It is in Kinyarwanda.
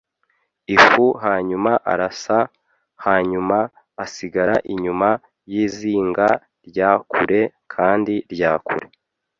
ifu hanyuma arasa hanyuma asigara inyuma yizinga rya kure kandi rya kure.